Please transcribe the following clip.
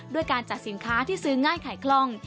ด้วยการจัดสินค้าที่ซื้อง่ายขายคล่อง